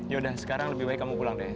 yaudah sekarang lebih baik kamu pulang deh